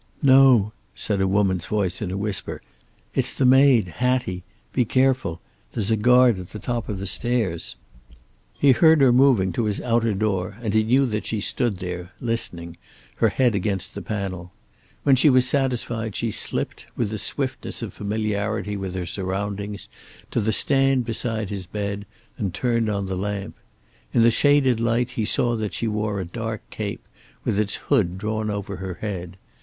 "No," said a woman's voice in a whisper. "It's the maid, Hattie. Be careful. There's a guard at the top of the stairs." He heard her moving to his outer door, and he knew that she stood there, listening, her head against the panel. When she was satisfied she slipped, with the swiftness of familiarity with her surroundings, to the stand beside his bed, and turned on the lamp. In the shaded light he saw that she wore a dark cape, with its hood drawn over her head.